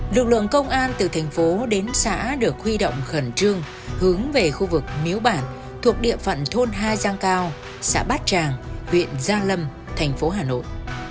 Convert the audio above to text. lực lượng công an từ thành phố đến xã được huy động khẩn trương hướng về khu vực miếu bản thuộc địa phận thôn hai giang cao xã bát tràng huyện gia lâm thành phố hà nội